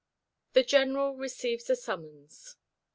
THE GENERAL RECEIVES A SUMMONS.